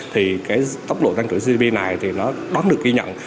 thì cái tốc độ tăng trưởng gdp này thì nó đón được ghi nhận